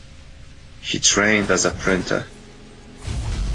He trained as a printer.